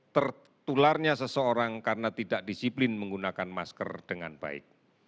tertularnya seseorang karena tidak disiplin menggunakan masker dengan baik